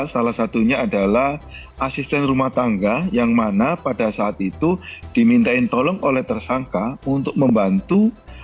salah satunya adalah asisten rumah tangga yang mana pada saat itu dimintain tolong oleh tersangka untuk membantu